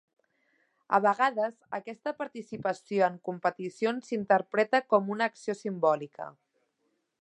A vegades, aquesta participació en competicions s'interpreta com una acció simbòlica.